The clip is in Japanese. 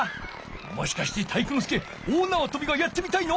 もしかして体育ノ介大なわとびがやってみたいの？